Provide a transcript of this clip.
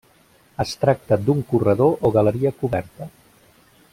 Es tracta d'un corredor o galeria coberta.